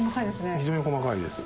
非常に細かいです。